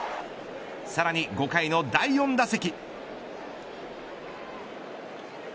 さらに５回の第４打席。